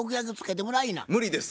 無理です。